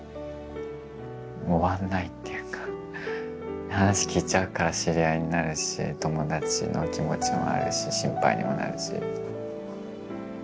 終わんないっていうか話聞いちゃうから知り合いになるし友達の気持ちもあるし心配にもなるし。